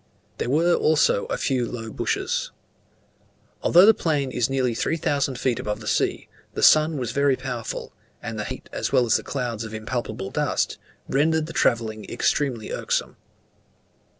There were, also, a few low bushes. Although the plain is nearly three thousand feet above the sea, the sun was very powerful; and the heat as well as the clouds of impalpable dust, rendered the travelling extremely irksome.